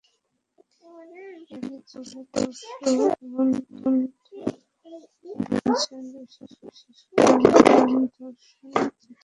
এরই জেরে পরশু হেমন্ত ভিনসেন্ট বিশ্বাসকে কারণ দর্শানোর চিঠি দিয়েছে বাফুফে।